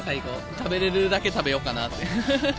食べれるだけ食べようかなって。